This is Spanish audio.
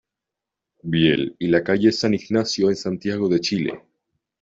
Viel y la calle San Ignacio en Santiago de Chile.